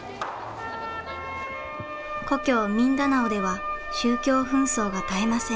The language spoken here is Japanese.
故郷ミンダナオでは宗教紛争が絶えません。